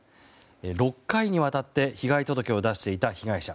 ６回にわたって被害届を出していた被害者。